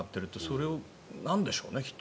それはなんでしょうね、きっと。